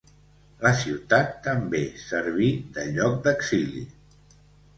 La ciutat també serví de lloc d'exili.